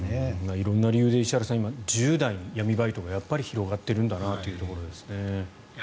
色んな理由で石原さん、１０代の闇バイトが広がっているんだなというところですね。